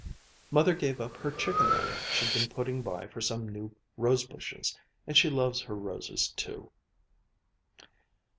Mother gave up her chicken money she'd been putting by for some new rose bushes, and she loves her roses too!